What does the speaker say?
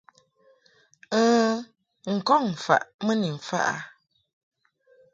N̂ n-kɔŋ faʼ mɨ ni mfaʼ a.